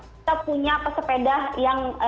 kita punya pesepeda yang